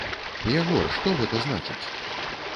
Ягор, што гэта значыць?